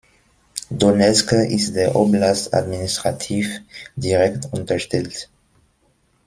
Donezk ist der Oblast administrativ direkt unterstellt.